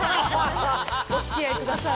お付き合いください。